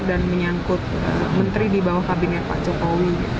untuk menteri di bawah kabinet pak cokowi